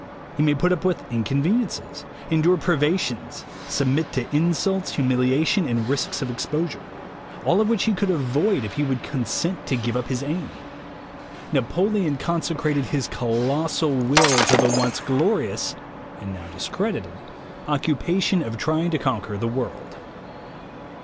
He may put up with inconveniences ; endure priva tion; submit to insults, humiliation, and risks of exposure, all of which he could avoid if he would 18 THE WAY TO WILL POWER consent to give up his aim. Napoleon consecrated his colossal will to the once glorious and now dis credited occupation of trying to conquer the world.